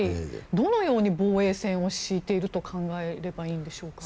どのように防衛線を敷いていればいいと考えればいいんでしょうか。